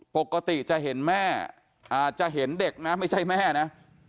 ปกติจะเห็นแม่อาจจะเห็นเด็กนะไม่ใช่แม่นะ